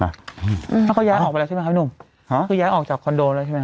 แล้วก็ย้ายออกไปแล้วใช่ไหมครับพี่หนุ่มฮะคือย้ายออกจากคอนโดแล้วใช่ไหม